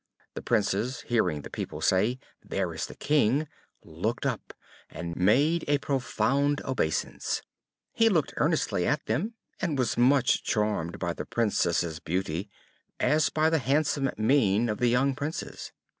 The Princes, hearing the people say, "There is the King," looked up, and made a profound obeisance. He looked earnestly at them, and was as much charmed by the Princess's beauty, as by the handsome mien of the young Princes.